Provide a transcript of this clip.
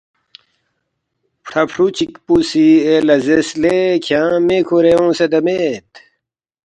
فڑا فرُو چِک پو سی اے لہ زیرس، ”لے کھیانگ مے کُھورے اونگسیدا مید؟“